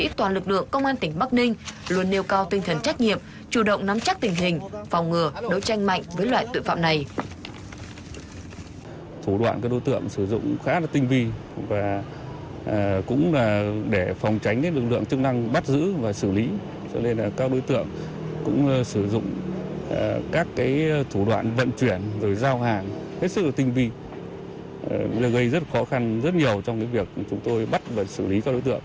các toàn lực lượng công an tỉnh bắc ninh luôn nêu cao tinh thần trách nhiệm chủ động nắm chắc tình hình phòng ngừa đối tranh mạnh với loại tội phạm này